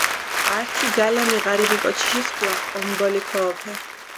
ართი ძალამი ღარიბი კოჩიში სქუა ომბოლი ქოჸოფე.